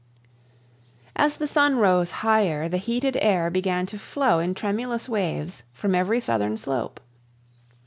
As the sun rose higher, the heated air began to flow in tremulous waves from every southern slope.